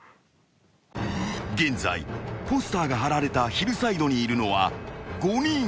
［現在ポスターが張られたヒルサイドにいるのは５人］